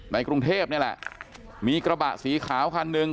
กรุงเทพนี่แหละมีกระบะสีขาวคันหนึ่ง